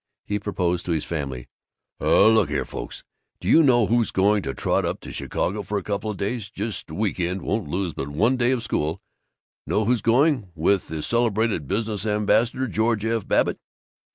He proposed to his family, "Look here, folks! Do you know who's going to trot up to Chicago for a couple of days just week end; won't lose but one day of school know who's going with that celebrated business ambassador, George F. Babbitt?